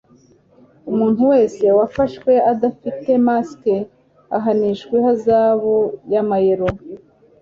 umuntu wese wafashwe adafite mask ahanishwa ihazabu y'amayero